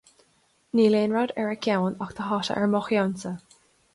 Níl aon rud ar a ceann, ach tá hata ar mo cheannsa